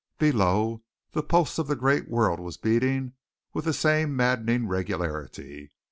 Below, the pulse of the great world was beating with the same maddening regularity.